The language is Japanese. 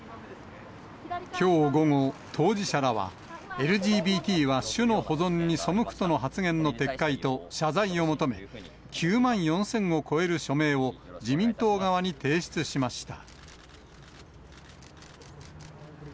きょう午後、当事者らは、ＬＧＢＴは種の保存に背くとの発言の撤回と謝罪を求め、９万４０００を超える署名を自民党側に提出しました。